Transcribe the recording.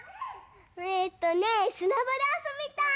えっとねすなばであそびたい！